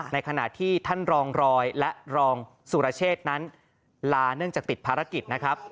ในขณะที่ท่านรองรอยและรองสุรเชษนั้นลาเนื่องจากติดภารกิจนะครับ